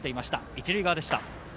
一塁側でした。